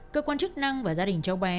cơ quan chức năng và gia đình cháu bé